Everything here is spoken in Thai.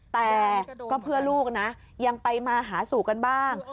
แต่ก็เพื่อลูกนะยังไปมาหาสู่กันบ้าง